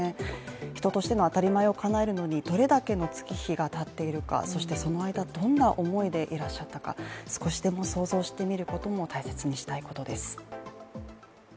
人としての当たり前をかなえるのにどれだけの月日がたっているか、そしてその間、どんな思いでいらっしゃったか、少しでも想像してみることも大切にしたいことです。